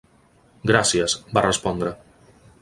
"Gràcies", va respondre.